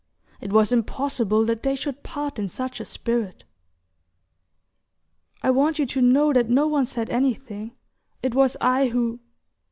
It was impossible that they should part in such a spirit. "I want you to know that no one said anything... It was I who..."